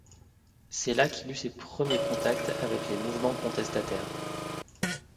C’est là qu’il eut ses premiers contacts avec les mouvements contestataires.